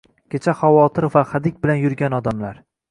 Kecha xavotir va xadik bilan yurgan odamlar